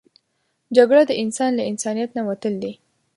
جګړه د انسان له انسانیت نه وتل دي